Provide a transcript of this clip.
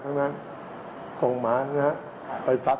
เพื่อเล่นตลกหาเงินครับ